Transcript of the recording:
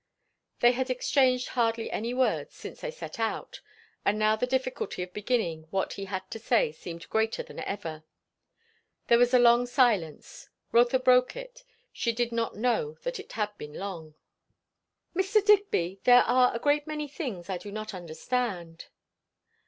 They had exchanged hardly any words since they set out; and now the difficulty of beginning what he had to say seemed greater than ever. There was a long silence. Rotha broke it; she did not know that it had been long. "Mr. Digby there are a great many things I do not understand."